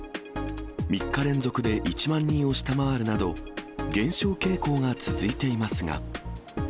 ３日連続で１万人を下回るなど、減少傾向が続いていますが。